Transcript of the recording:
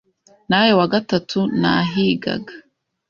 nawe wa gatatu nahigaga